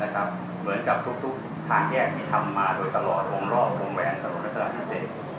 เหมือนกับทุกทางแยกที่ทำมาโดยตลอดวงรอบวงแหวนถนนรัชดาพิเศษ